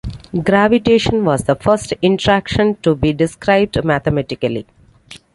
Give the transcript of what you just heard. Gravitation was the first interaction to be described mathematically.